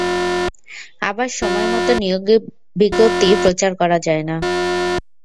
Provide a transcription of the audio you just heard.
আবার সময়মতো নিয়োগ বিজ্ঞপ্তি প্রচার করা যায় না।